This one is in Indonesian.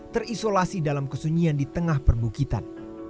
terisolasi dalam kesunyian di tengah perbukitan